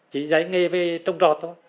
chỉ giải nghề về trông trọt thôi